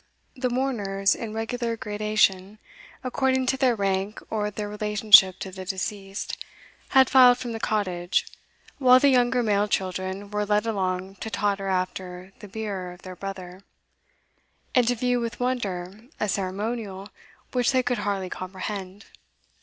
The mourners, in regular gradation, according to their rank or their relationship to the deceased, had filed from the cottage, while the younger male children were led along to totter after the bier of their brother, and to view with wonder a ceremonial which they could hardly comprehend.